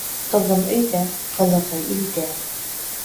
Ҡыҙым өйҙә, ҡылығы илдә.